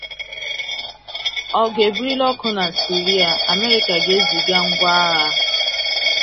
Ogu ebirila oku na Syria: Amerika ga-eziga ngwa agha